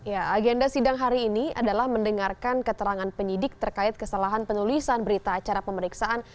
ya agenda sidang hari ini adalah mendengarkan keterangan penyidik terkait kesalahan penulisan berita acara pemeriksaan